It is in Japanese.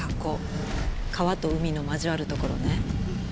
川と海の交わるところね。